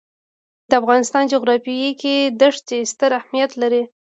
د افغانستان جغرافیه کې دښتې ستر اهمیت لري.